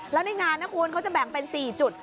แล้วในงานนะคุณเขาจะแบ่งเป็น๔จุด